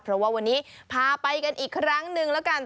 เพราะว่าวันนี้พาไปกันอีกครั้งหนึ่งแล้วกัน